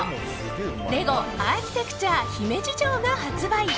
レゴアーキテクチャ姫路城が発売。